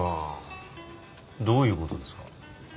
どういう事ですか？